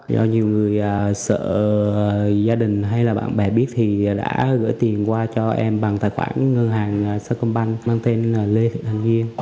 do nhiều người sợ gia đình hay là bạn bè biết thì đã gửi tiền qua cho em bằng tài khoản ngân hàng sacombank mang tên là lê thị thành viên